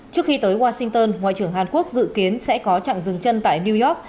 trước khi tới washington ngoại trưởng hàn quốc dự kiến sẽ có chặn dừng chân tại new york